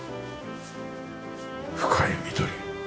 深い緑。